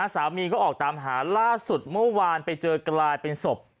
สามีก็ออกตามหาล่าสุดเมื่อวานไปเจอกลายเป็นศพ